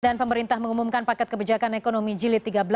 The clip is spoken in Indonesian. dan pemerintah mengumumkan paket kebijakan ekonomi jilid tiga belas